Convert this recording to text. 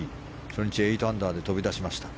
初日８アンダーで飛び出しました。